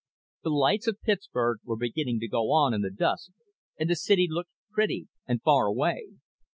The lights of Pittsburgh were beginning to go on in the dusk and the city looked pretty and far away.